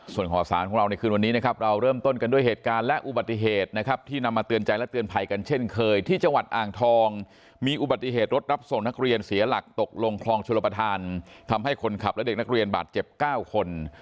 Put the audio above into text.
ส่วนข่าวสารของเราในคืนวันนี้นะครับเราเริ่มต้นกันด้วยเหตุการณ์และอุบัติเหตุนะครับที่นำมาเตือนใจและเตือนภัยกันเช่นเคยที่จังหวัดอ่างทองมีอุบัติเหตุรถรับส่งนักเรียนเสียหลักตกลงคลองชลประธานทำให้คนขับและเด็กนักเรียนบาดเจ็บ๙คน